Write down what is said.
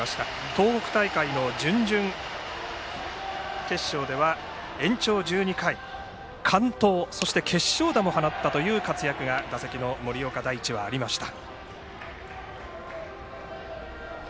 東北大会の準々決勝では延長１２回、完投そして決勝打も放った活躍が打席の森岡にはありました。